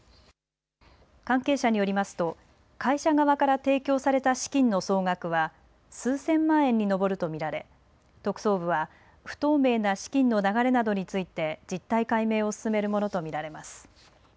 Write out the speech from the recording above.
関係者によりますと会社側から提供された資金の総額は数千万円に上ると見られ特捜部は不透明な資金の流れなどについて実態解明を進めるものと見られます。